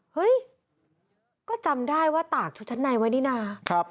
เฮ้ยก็จำได้ว่าตากชุดชั้นในไว้นี่นะ